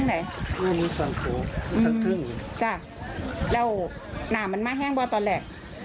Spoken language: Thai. กลับมาแล้วหนาเหี้ยงป่ะตอนแหลก